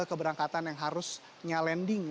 keberangkatan yang harusnya landing